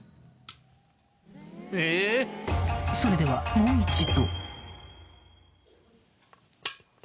［それではもう一度］